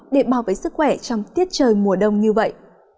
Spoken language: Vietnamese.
để bảo vệ sức khỏe trong tiết trời mùa đông như vậy